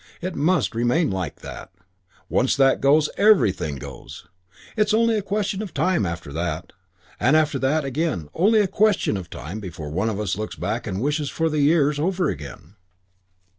It must remain like that. Once that goes, everything goes. It's only a question of time after that. And after that, again, only a question of time before one of us looks back and wishes for the years over again."